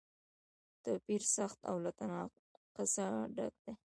توپیر سخت او له تناقضه ډک دی.